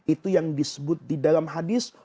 itu yang disebut di dalam hadis